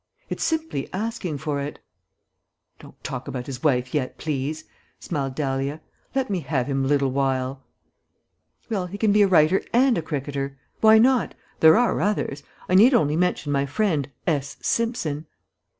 It's simply asking for it." "Don't talk about his wife yet, please," smiled Dahlia. "Let me have him a little while." "Well, he can be a writer and a cricketer. Why not? There are others. I need only mention my friend, S. Simpson."